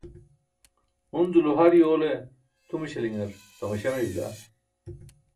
hunzulo har yoole tʰumaśilaṅar tamaśa mey bila